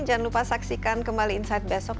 jangan lupa saksikan kembali insight besok